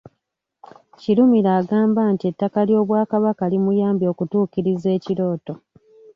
Kirumira agamba nti ettaka ly’Obwakabaka limuyambye okutuukiriza ekirooto.